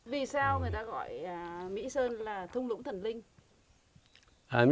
vì sao người ta gọi mỹ sơn là thung lũng thần linh